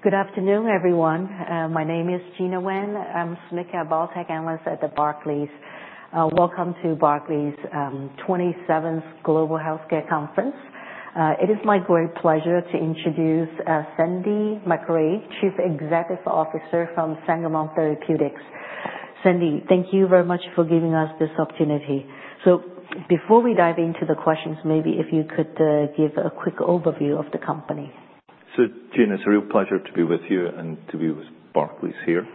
Good afternoon, everyone. My name is Gina Wen. I'm a Senior Biotech Analyst at Barclays. Welcome to Barclays' 27th Global Healthcare Conference. It is my great pleasure to introduce Sandy Macrae, Chief Executive Officer from Sangamo Therapeutics. Sandy, thank you very much for giving us this opportunity. Before we dive into the questions, maybe if you could give a quick overview of the company. Gena, it's a real pleasure to be with you and to be with Barclays here.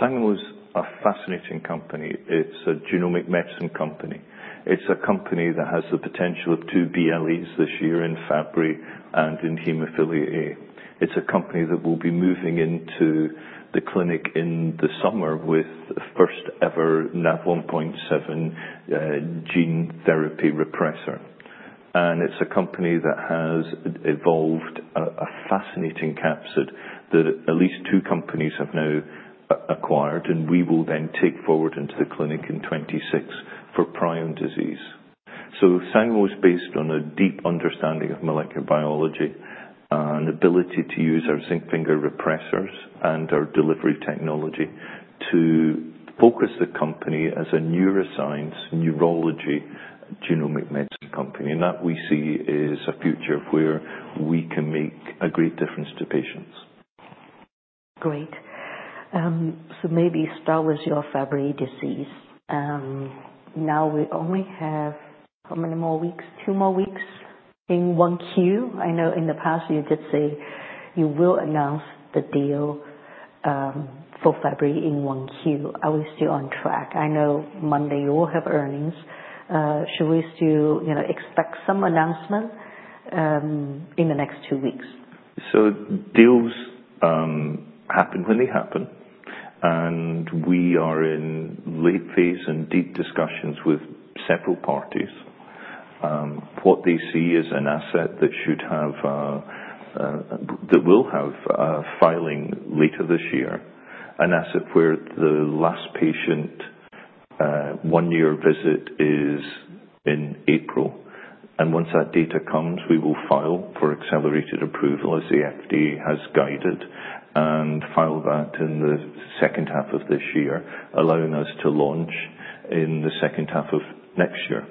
Sangamo is a fascinating company. It's a genomic medicine company. It's a company that has the potential of two BLAs this year, in Fabry and in Hemophilia A. It's a company that will be moving into the clinic in the summer with the first ever Nav1.7 gene Therapy Repressor. It's a company that has evolved a fascinating capsid that at least two companies have now acquired, and we will then take forward into the clinic in 2026 for prion disease. Sangamo is based on a deep understanding of molecular biology and ability to use our zinc finger repressors and our delivery technology to focus the company as a neuroscience, neurology genomic medicine company. That we see is a future where we can make a great difference to patients. Great. Maybe start with your Fabry disease. Now we only have how many more weeks? Two more weeks in one Q? I know in the past you did say you will announce the deal for Fabry in one Q. Are we still on track? I know Monday you will have earnings. Should we still expect some announcement in the next two weeks? Deals happen when they happen, and we are in late phase and deep discussions with several parties. What they see is an asset that will have filing later this year, an asset where the last patient one-year visit is in April. Once that data comes, we will file for accelerated approval, as the FDA has guided, and file that in the second half of this year, allowing us to launch in the second half of next year.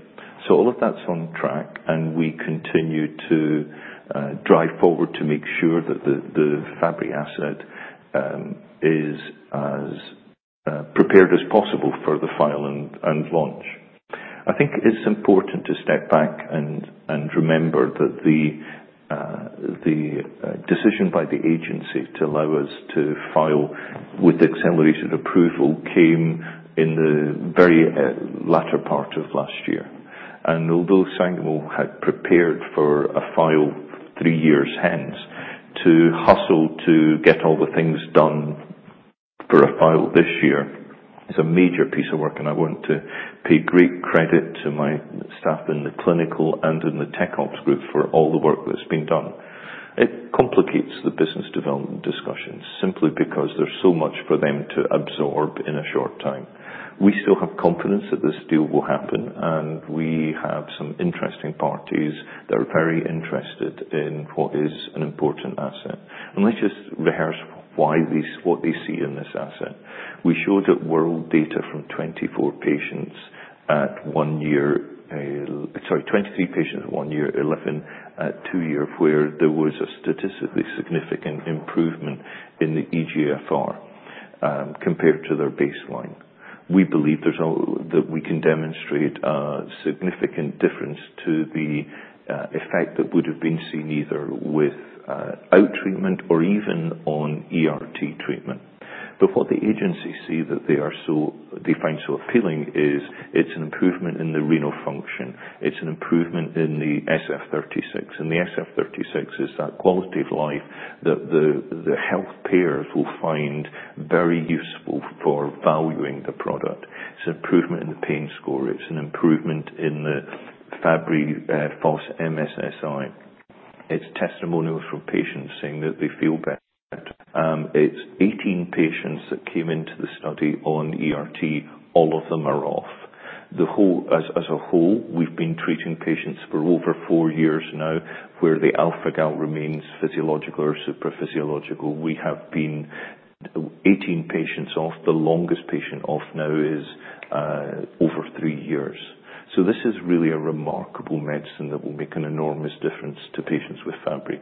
All of that is on track, and we continue to drive forward to make sure that the Fabry asset is as prepared as possible for the filing and launch. I think it is important to step back and remember that the decision by the agency to allow us to file with accelerated approval came in the very latter part of last year. Although Sangamo had prepared for a file three years hence, to hustle to get all the things done for a file this year is a major piece of work, and I want to pay great credit to my staff in the clinical and in the tech ops group for all the work that's been done. It complicates the business development discussions simply because there's so much for them to absorb in a short time. We still have confidence that this deal will happen, and we have some interesting parties that are very interested in what is an important asset. Let's just rehearse what they see in this asset. We showed that world data from 24 patients at one year, sorry, 23 patients at one year, 11 at two years, where there was a statistically significant improvement in the eGFR compared to their baseline. We believe that we can demonstrate a significant difference to the effect that would have been seen either without treatment or even on ERT treatment. What the agency sees that they find so appealing is it's an improvement in the renal function. It's an improvement in the SF-36. The SF-36 is that quality of life that the health payers will find very useful for valuing the product. It's an improvement in the pain score. It's an improvement in the Fabry false MSSI. It's testimonials from patients saying that they feel better. It's 18 patients that came into the study on ERT. All of them are off. As a whole, we've been treating patients for over four years now where the alpha-galactosidase A remains physiological or super physiological. We have been 18 patients off. The longest patient off now is over three years. This is really a remarkable medicine that will make an enormous difference to patients with Fabry.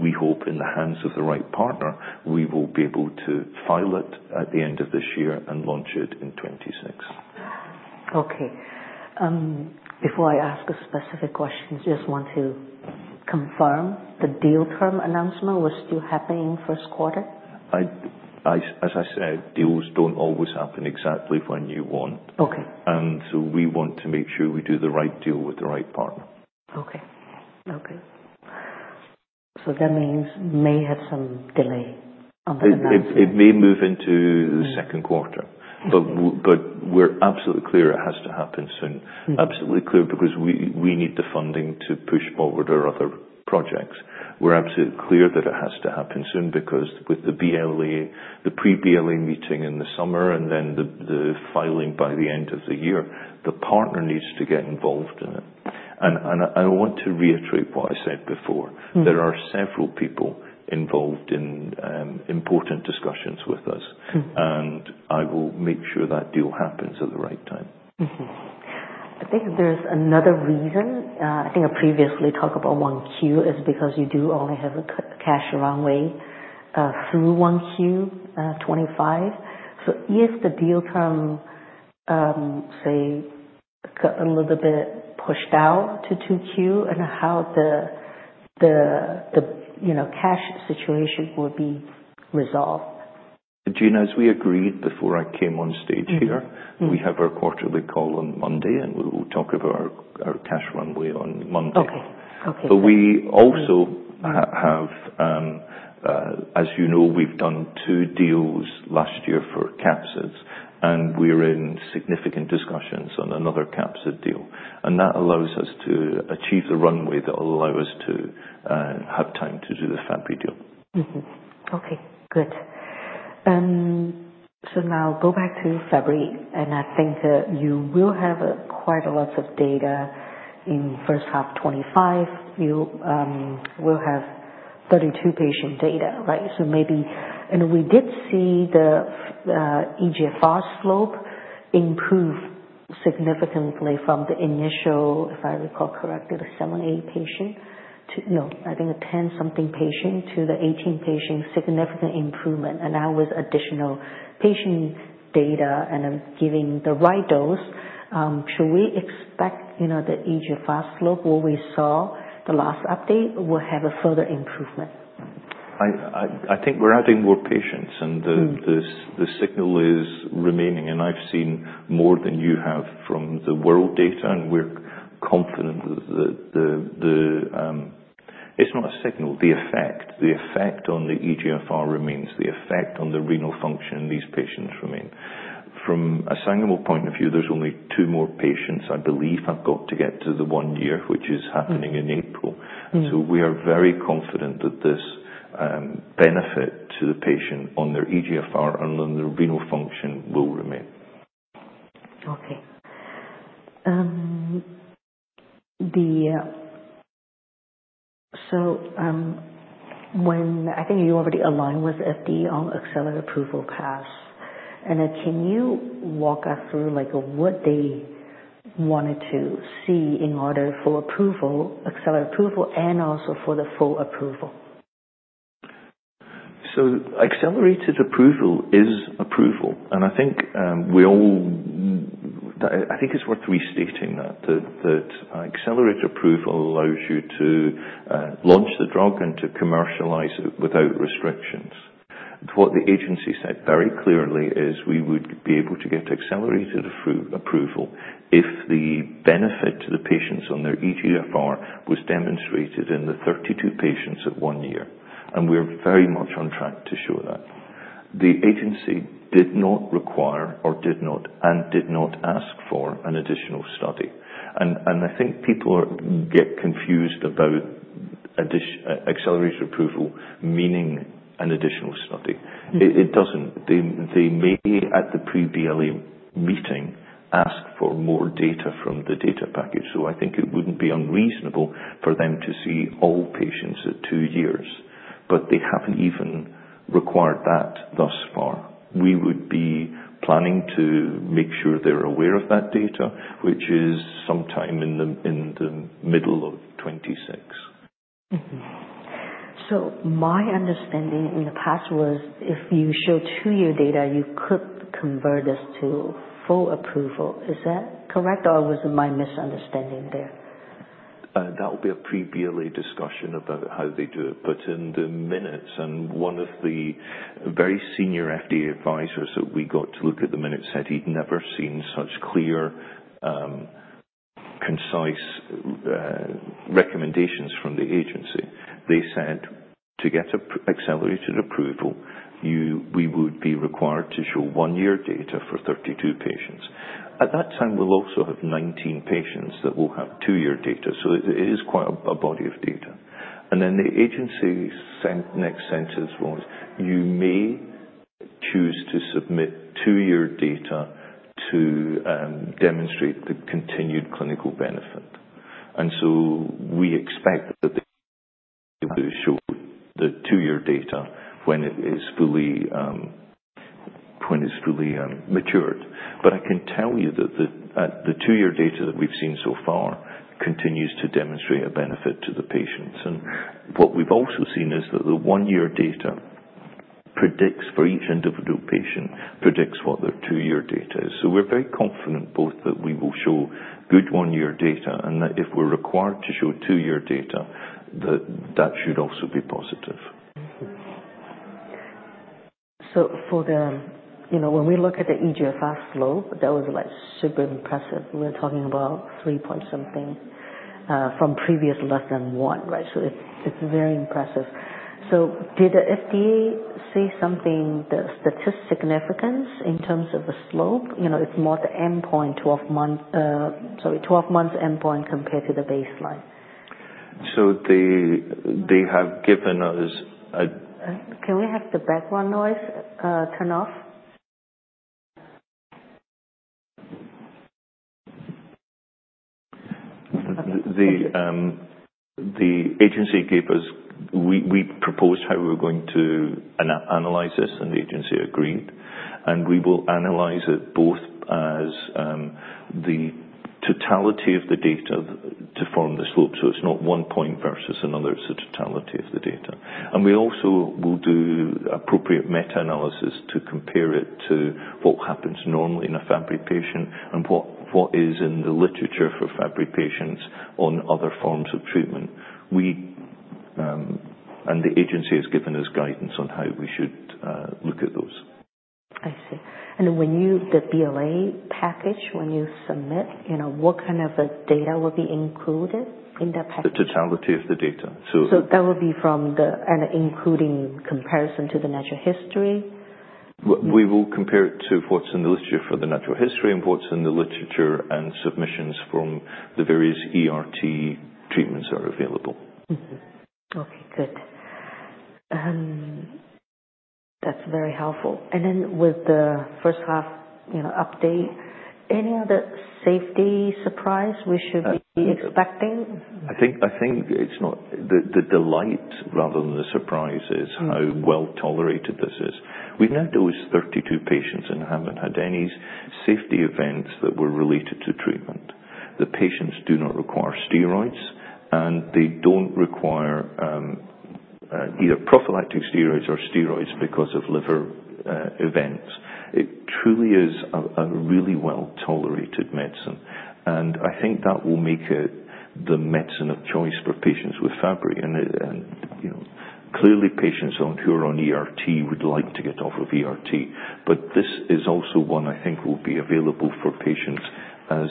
We hope in the hands of the right partner, we will be able to file it at the end of this year and launch it in 2026. Okay. Before I ask a specific question, I just want to confirm the deal term announcement was still happening first quarter? As I said, deals do not always happen exactly when you want. We want to make sure we do the right deal with the right partner. Okay. That means may have some delay on the announcement. It may move into the second quarter, but we're absolutely clear it has to happen soon. Absolutely clear because we need the funding to push forward our other projects. We're absolutely clear that it has to happen soon because with the pre-BLE meeting in the summer and then the filing by the end of the year, the partner needs to get involved in it. I want to reiterate what I said before. There are several people involved in important discussions with us, and I will make sure that deal happens at the right time. I think there's another reason. I think I previously talked about one Q is because you do only have a cash runway through one Q 2025. If the deal term, say, got a little bit pushed out to two Q, how will the cash situation be resolved? Gena, as we agreed before I came on stage here, we have our quarterly call on Monday, and we will talk about our cash runway on Monday. We also have, as you know, we've done two deals last year for capsids, and we're in significant discussions on another capsid deal. That allows us to achieve the runway that will allow us to have time to do the Fabry deal. Okay. Good. Now go back to Fabry, and I think you will have quite a lot of data in first half 2025. You will have 32 patient data, right? We did see the eGFR slope improve significantly from the initial, if I recall correctly, the seven and eight patient to, no, I think a 10-something patient to the 18 patient, significant improvement. That was additional patient data, and I'm giving the right dose. Should we expect the eGFR slope where we saw the last update will have a further improvement? I think we're adding more patients, and the signal is remaining. I've seen more than you have from the world data, and we're confident that it's not a signal, the effect. The effect on the eGFR remains. The effect on the renal function in these patients remains. From a Sangamo point of view, only two more patients, I believe, have got to get to the one year, which is happening in April. We are very confident that this benefit to the patient on their eGFR and on their renal function will remain. Okay. I think you already aligned with FDA on accelerated approval paths. Can you walk us through what they wanted to see in order for accelerated approval and also for the full approval? Accelerated approval is approval. I think it's worth restating that accelerated approval allows you to launch the drug and to commercialize it without restrictions. What the agency said very clearly is we would be able to get accelerated approval if the benefit to the patients on their eGFR was demonstrated in the 32 patients at one year. We're very much on track to show that. The agency did not require or did not ask for an additional study. I think people get confused about accelerated approval meaning an additional study. It doesn't. They may, at the pre-BLE meeting, ask for more data from the data package. I think it wouldn't be unreasonable for them to see all patients at two years. They haven't even required that thus far. We would be planning to make sure they're aware of that data, which is sometime in the middle of 2026. My understanding in the past was if you show two-year data, you could convert this to full approval. Is that correct, or was it my misunderstanding there? That will be a pre-BLA discussion about how they do it. In the minutes, and one of the very senior FDA advisors that we got to look at the minutes said he'd never seen such clear, concise recommendations from the agency. They said to get accelerated approval, we would be required to show one-year data for 32 patients. At that time, we'll also have 19 patients that will have two-year data. It is quite a body of data. The agency's next sentence was, "You may choose to submit two-year data to demonstrate the continued clinical benefit." We expect that they will show the two-year data when it is fully matured. I can tell you that the two-year data that we've seen so far continues to demonstrate a benefit to the patients. What we've also seen is that the one-year data predicts for each individual patient, predicts what their two-year data is. We are very confident both that we will show good one-year data and that if we are required to show two-year data, that should also be positive. When we look at the eGFR slope, that was super impressive. We're talking about three point something from previous less than one, right? It's very impressive. Did the FDA say something that's statistically significant in terms of the slope? It's more the endpoint, 12 months endpoint compared to the baseline. They have given us. Can we have the background noise turn off? The agency gave us we proposed how we were going to analyze this, and the agency agreed. We will analyze it both as the totality of the data to form the slope. It is not one point versus another. It is the totality of the data. We also will do appropriate meta-analysis to compare it to what happens normally in a Fabry patient and what is in the literature for Fabry patients on other forms of treatment. The agency has given us guidance on how we should look at those. I see. The BLA package, when you submit, what kind of data will be included in that? The totality of the data. That will be from the and including comparison to the natural history? We will compare it to what's in the literature for the natural history and what's in the literature and submissions from the various ERT treatments that are available. Okay. Good. That's very helpful. With the first half update, any other safety surprise we should be expecting? I think it's not the delight rather than the surprise is how well tolerated this is. We've now dealt with 32 patients and haven't had any safety events that were related to treatment. The patients do not require steroids, and they don't require either prophylactic steroids or steroids because of liver events. It truly is a really well-tolerated medicine. I think that will make it the medicine of choice for patients with Fabry. Clearly, patients who are on ERT would like to get off of ERT. This is also one I think will be available for patients as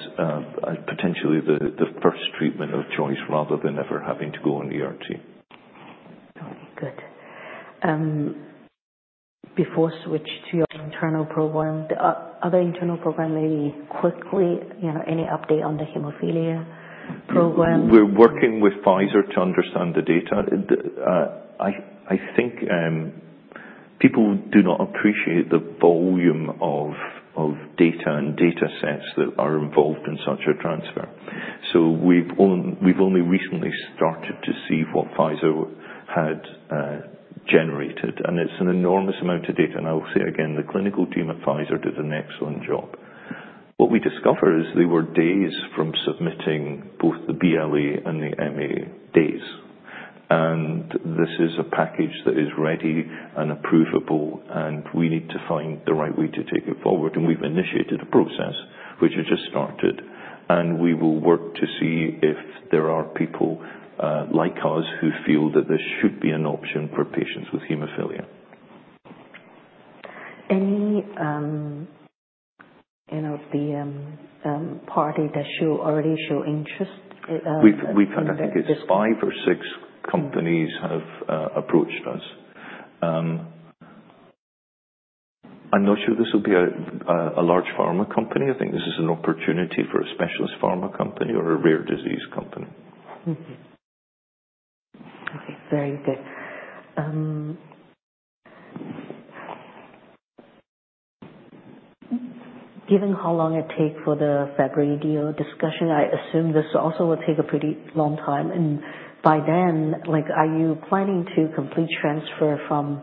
potentially the first treatment of choice rather than ever having to go on ERT. Okay. Good. Before I switch to your internal program, the other internal program, maybe quickly, any update on the hemophilia program? We're working with Pfizer to understand the data. I think people do not appreciate the volume of data and data sets that are involved in such a transfer. We've only recently started to see what Pfizer had generated. It's an enormous amount of data. I will say again, the clinical team at Pfizer did an excellent job. What we discover is they were days from submitting both the BLA and the MA days. This is a package that is ready and approvable, and we need to find the right way to take it forward. We've initiated a process, which has just started. We will work to see if there are people like us who feel that this should be an option for patients with Hemophilia. Any party that already show interest? We've had, I think, five or six companies have approached us. I'm not sure this will be a large pharma company. I think this is an opportunity for a specialist pharma company or a rare disease company. Okay. Very good. Given how long it takes for the Fabry deal discussion, I assume this also will take a pretty long time. By then, are you planning to complete transfer from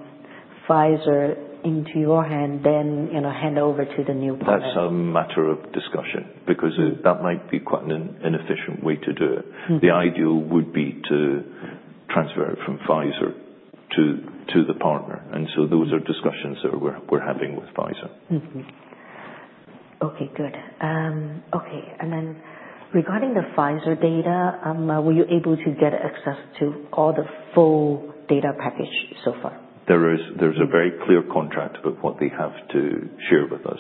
Pfizer into your hand, then hand over to the new partner? That's a matter of discussion because that might be quite an inefficient way to do it. The ideal would be to transfer it from Pfizer to the partner. Those are discussions that we're having with Pfizer. Okay. Good. Okay. Regarding the Pfizer data, were you able to get access to all the full data package so far? There's a very clear contract about what they have to share with us.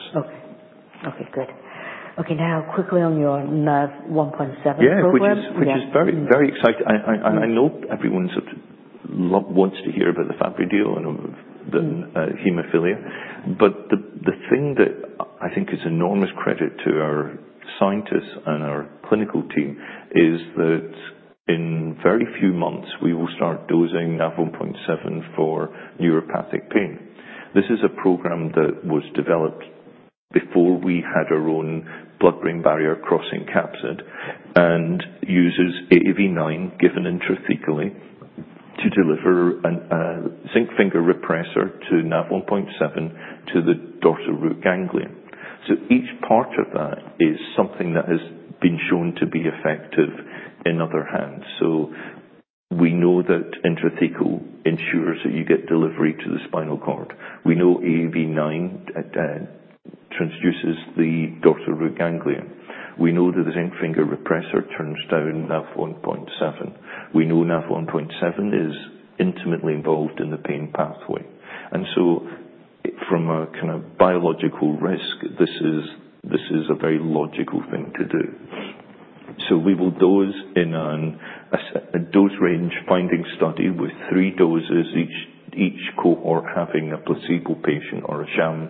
Okay. Good. Okay. Now, quickly on your Nav1.7 program. Yeah, which is very, very exciting. I know everyone wants to hear about the Fabry deal and the Hemophilia. The thing that I think is enormous credit to our scientists and our clinical team is that in very few months, we will start dosing Nav1.7 for neuropathic pain. This is a program that was developed before we had our own blood-brain barrier crossing capsid and uses AAV9 given intrathecally to deliver a zinc finger repressor to Nav1.7 to the dorsal root ganglion. Each part of that is something that has been shown to be effective in other hands. We know that intrathecal ensures that you get delivery to the spinal cord. We know AAV9 transduces the dorsal root ganglion. We know that the zinc finger repressor turns down NAV1.7. We know Nav1.7 is intimately involved in the pain pathway. From a kind of biological risk, this is a very logical thing to do. We will dose in a dose range finding study with three doses, each cohort having a placebo patient or a sham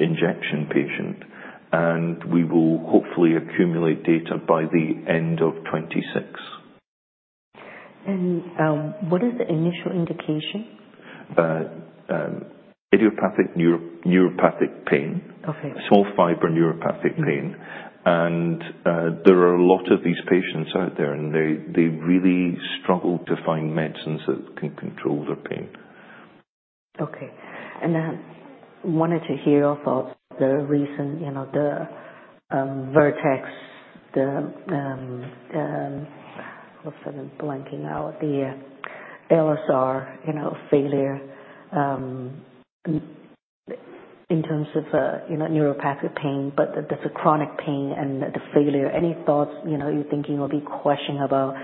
injection patient. We will hopefully accumulate data by the end of 2026. What is the initial indication? Idiopathic neuropathic pain, small fiber neuropathic pain. There are a lot of these patients out there, and they really struggle to find medicines that can control their pain. Okay. I wanted to hear your thoughts about the recent Vertex, the, what's that, blanking out, the LSR failure in terms of neuropathic pain, but there's a chronic pain and the failure. Any thoughts you're thinking or be questioning about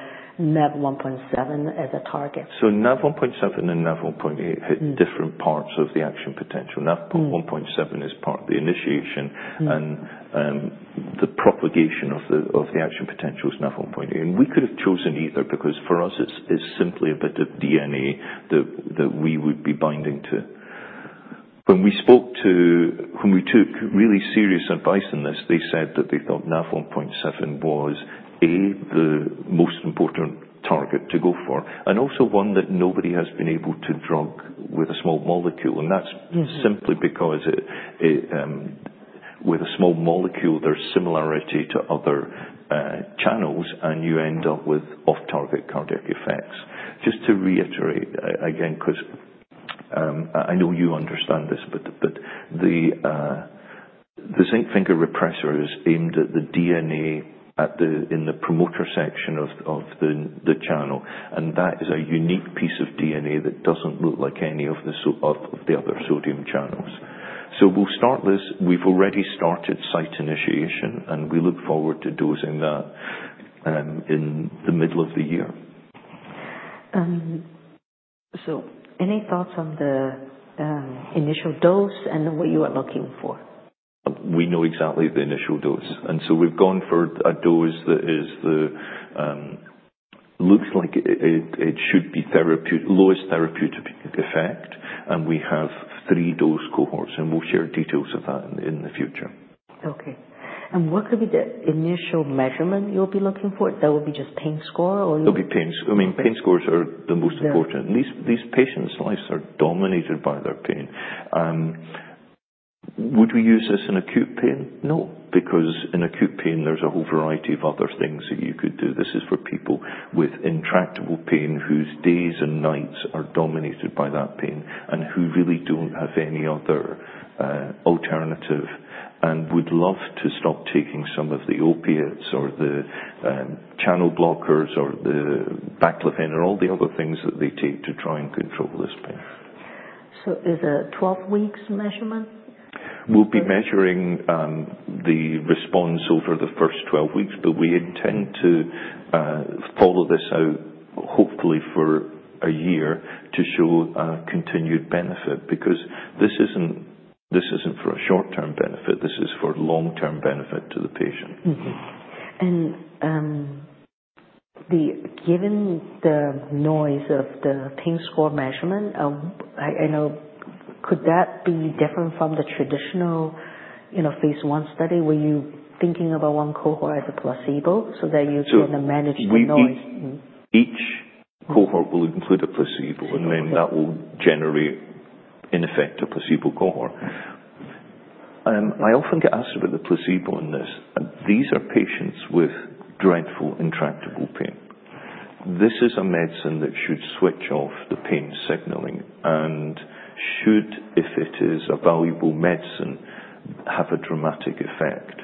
Nav1.7 as a target? Nav1.7 and Nav1.8 hit different parts of the action potential. NAV1.7 is part of the initiation, and the propagation of the action potential is Nav1.8. We could have chosen either because for us, it's simply a bit of DNA that we would be binding to. When we spoke to, when we took really serious advice on this, they said that they thought Nav1.7 was, a, the most important target to go for, and also one that nobody has been able to drug with a small molecule. That's simply because with a small molecule, there's similarity to other channels, and you end up with off-target cardiac effects. Just to reiterate again, because I know you understand this, but the zinc finger repressor is aimed at the DNA in the promoter section of the channel. That is a unique piece of DNA that does not look like any of the other sodium channels. We have already started site initiation, and we look forward to dosing that in the middle of the year. Any thoughts on the initial dose and what you are looking for? We know exactly the initial dose. We have gone for a dose that looks like it should be lowest therapeutic effect. We have three dose cohorts, and we will share details of that in the future. Okay. What could be the initial measurement you'll be looking for? That would be just pain score or? I mean, pain scores are the most important. These patients' lives are dominated by their pain. Would we use this in acute pain? No, because in acute pain, there's a whole variety of other things that you could do. This is for people with intractable pain whose days and nights are dominated by that pain and who really don't have any other alternative and would love to stop taking some of the opiates or the channel blockers or the baclofen or all the other things that they take to try and control this pain. Is it a 12-week measurement? We'll be measuring the response over the first 12 weeks, but we intend to follow this out hopefully for a year to show continued benefit because this isn't for a short-term benefit. This is for long-term benefit to the patient. Given the noise of the pain score measurement, I know could that be different from the traditional phase I study where you're thinking about one cohort as a placebo so that you can manage the noise? Each cohort will include a placebo, and then that will generate in effect a placebo cohort. I often get asked about the placebo in this. These are patients with dreadful intractable pain. This is a medicine that should switch off the pain signaling and should, if it is a valuable medicine, have a dramatic effect.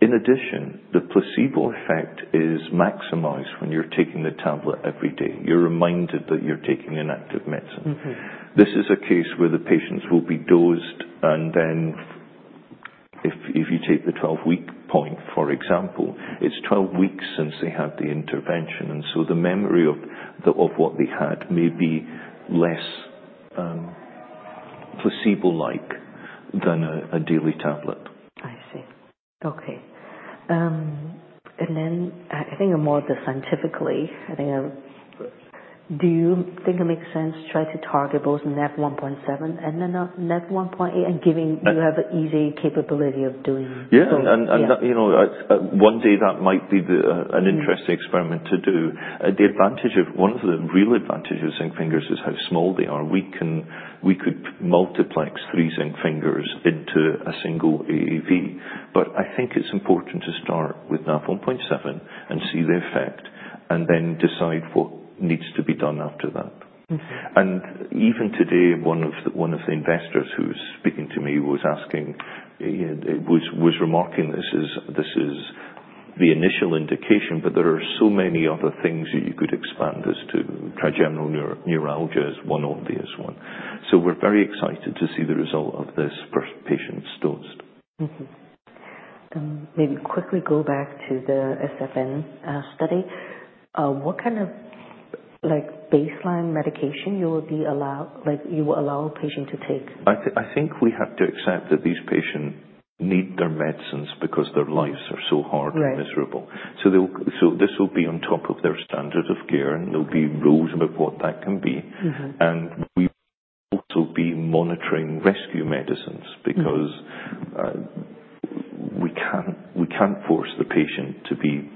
In addition, the placebo effect is maximized when you're taking the tablet every day. You're reminded that you're taking an active medicine. This is a case where the patients will be dosed, and then if you take the 12-week point, for example, it's 12 weeks since they had the intervention. And so the memory of what they had may be less placebo-like than a daily tablet. I see. Okay. I think more of the scientifically, I think do you think it makes sense to try to target both Nav1.7 and then Nav1.8 and giving you have an easy capability of doing something? Yeah. One day, that might be an interesting experiment to do. One of the real advantages of zinc fingers is how small they are. We could multiplex three zinc fingers into a single AAV. I think it's important to start with Nav1.7 and see the effect and then decide what needs to be done after that. Even today, one of the investors who was speaking to me was remarking this is the initial indication, but there are so many other things that you could expand as to trigeminal neuralgia as one obvious one. We are very excited to see the result of this for patients dosed. Maybe quickly go back to the SFN study. What kind of baseline medication you will allow a patient to take? I think we have to accept that these patients need their medicines because their lives are so hard and miserable. This will be on top of their standard of care, and there will be rules about what that can be. We will also be monitoring rescue medicines because we can't force the patient to be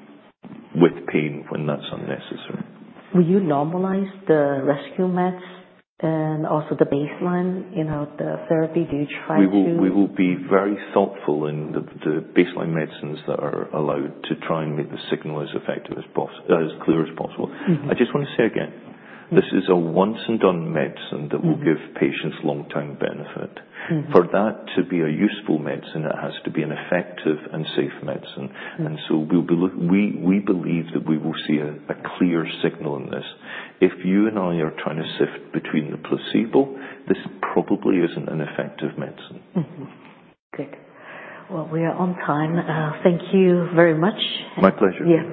with pain when that's unnecessary. Will you normalize the rescue meds and also the baseline, the therapy? Do you try to? We will be very thoughtful in the baseline medicines that are allowed to try and make the signal as clear as possible. I just want to say again, this is a once-and-done medicine that will give patients long-term benefit. For that to be a useful medicine, it has to be an effective and safe medicine. We believe that we will see a clear signal in this. If you and I are trying to shift between the placebo, this probably is not an effective medicine. Good. We are on time. Thank you very much. My pleasure.